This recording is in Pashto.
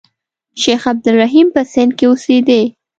شیخ عبدالرحیم په سند کې اوسېدی.